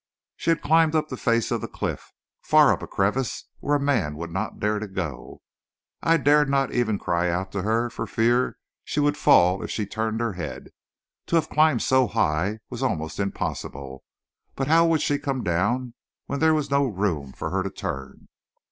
She had climbed up the face of the cliff, far up a crevice where a man would not dare to go. I dared not even cry out to her for fear she would fall if she turned her head. To have climbed so high was almost impossible, but how would she come down when there was no room for her to turn?